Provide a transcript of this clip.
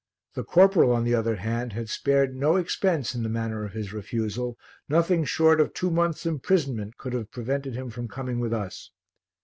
The corporal, on the other hand, had spared no expense in the manner of his refusal, nothing short of two months' imprisonment could have prevented him from coming with us.